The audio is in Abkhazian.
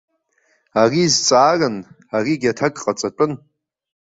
Ари зҵааран, аригьы аҭак ҟаҵатәын.